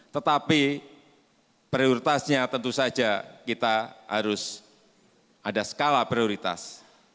tetapi prioritasnya tentu saja kita harus ada skala prioritas